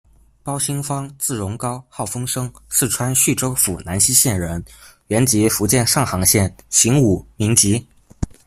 包欣芳，字荣臯，号凤笙，四川叙州府南溪县人，原籍福建上杭县，行五，民籍。